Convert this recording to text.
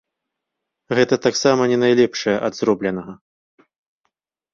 Гэта таксама не найлепшае ад зробленага.